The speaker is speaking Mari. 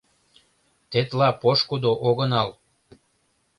Тетла пошкудо огынал.